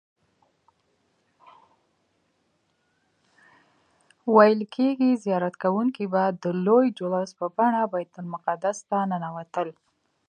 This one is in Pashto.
ویل کیږي زیارت کوونکي به د لوی جلوس په بڼه بیت المقدس ته ننوتل.